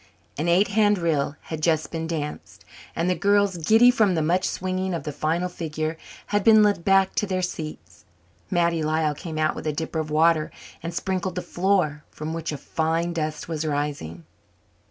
An eight hand reel had just been danced and the girls, giddy from the much swinging of the final figure, had been led back to their seats. Mattie Lyall came out with a dipper of water and sprinkled the floor, from which a fine dust was rising.